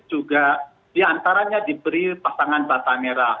juga diantaranya diberi pasangan bata merah